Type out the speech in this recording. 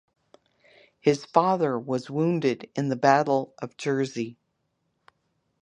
His father was wounded at the Battle of Jersey.